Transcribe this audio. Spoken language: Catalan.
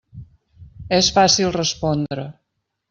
És fàcil respondre.